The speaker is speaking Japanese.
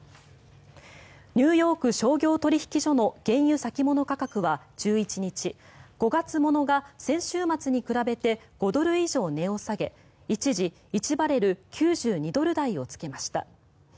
ニューヨーク商業取引所の原油先物価格は１１日５月物が先週末に比べて５ドル以上値を下げ一時、１バレル９２ドル台をつけました。